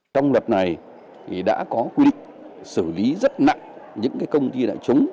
trong luật này thì đã có quy định xử lý rất nặng những công ty đại chúng